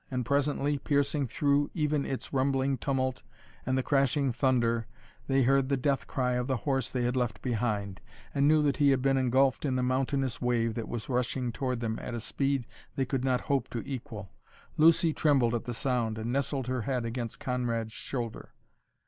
And presently, piercing through even its rumbling tumult and the crashing thunder, they heard the death cry of the horse they had left behind, and knew that he had been engulfed in the mountainous wave that was rushing toward them at a speed they could not hope to equal. Lucy trembled at the sound and nestled her head against Conrad's shoulder.